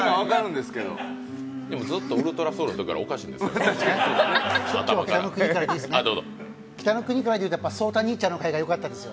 でもずっと「ウルトラソウル」のときからおかしいんですよ。